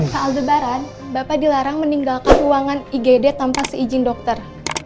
saat lebaran bapak dilarang meninggalkan ruangan igd tanpa seizin dokter